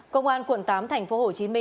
công an quận tám tp hcm